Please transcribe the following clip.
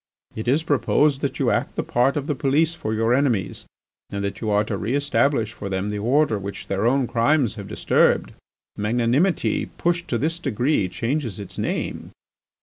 "It is proposed that you act the part of the police for your enemies, and that you are to re establish for them the order which their own crimes have disturbed. Magnanimity pushed to this degree changes its name.